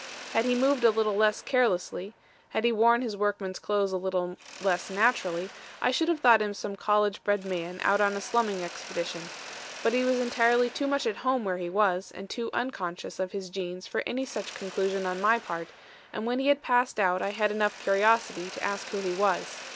Had he moved a little less carelessly, had he worn his workman's clothes a little less naturally, I should have thought him some college bred man out on a slumming expedition. But he was entirely too much at home where he was, and too unconscious of his jeans for any such conclusion on my part, and when he had passed out I had enough curiosity to ask who he was.